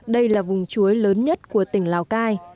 đây là vùng chuối lớn nhất của tỉnh lào cai